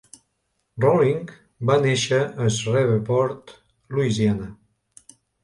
Rolling va néixer a Shreveport, Louisiana.